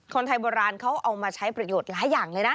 คนไทยโบราณเขาเอามาใช้ประโยชน์หลายอย่างเลยนะ